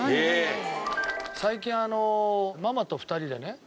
最近ママと２人でね